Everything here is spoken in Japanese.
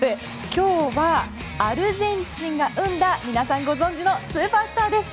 今日はアルゼンチンが生んだ皆さんご存じのスーパースターです。